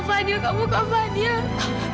ternyata kamu kak fadil